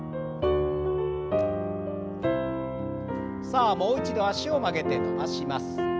さあもう一度脚を曲げて伸ばします。